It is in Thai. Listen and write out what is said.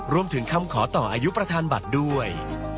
รวมถึงคำขอต่ออายุประธานบัตรด้วย